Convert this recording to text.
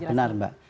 ya benar mbak